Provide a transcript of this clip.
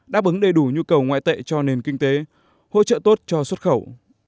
đáp ứng đầy đủ nhu cầu ngoại tệ cho nền kinh tế hỗ trợ tốt cho xuất khẩu